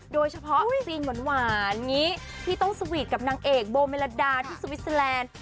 โดยเฉพาะซีนหวานอย่างนี้ที่ต้องสวีทกับนางเอกโบเมลดาที่สวิสเตอร์แลนด์